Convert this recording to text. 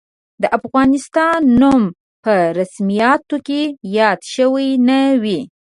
د افغانستان نوم په رسمیاتو کې یاد شوی نه وي.